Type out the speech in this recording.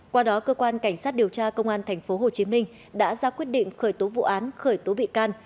qua đó cơ quan cảnh sát điều tra công an tp hcm đã ra quyết định khởi tố vụ án khởi tố bị can